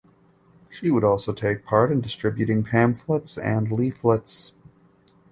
She would also take part in distributing pamphlets and leaflets.